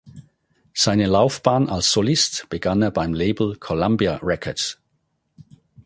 Seine Laufbahn als Solist begann er beim Label Columbia Records.